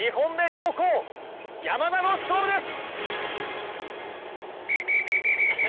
後攻山田の勝負です！